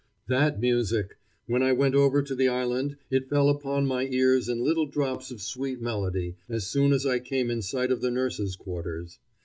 That music! When I went over to the island it fell upon my ears in little drops of sweet melody, as soon as I came in sight of the nurses' quarters.